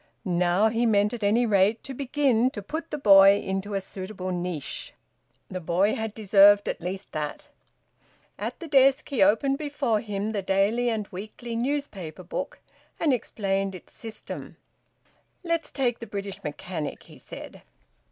Now he meant at any rate to begin to put the boy into a suitable niche. The boy had deserved at least that. At the desk he opened before him the daily and weekly newspaper book, and explained its system. "Let's take the `British Mechanic,'" he said.